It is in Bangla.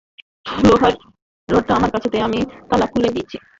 লোহার রডটা আমার কাছে দে, আমি তালা খুলে দিচ্ছি।